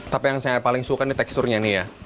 tapi yang saya paling suka ini teksturnya